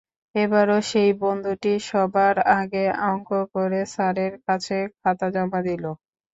এবারও সেই বন্ধুটি সবার আগে অঙ্ক করে স্যারের কাছে খাতা জমা দিল।